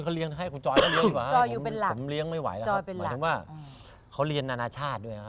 พี่โวยตรงนี้เขาเรียงเขาเจ้า